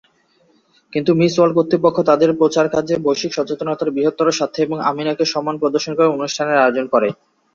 কিন্তু Miss World কর্তৃপক্ষ তাদের প্রচার কার্যে বৈশ্বিক সচেতনতার বৃহত্তর স্বার্থে এবং আমিনা’কে সম্মান প্রদর্শন করে অনুষ্ঠানের আয়োজন করে।